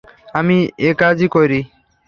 আমি একাজই করি।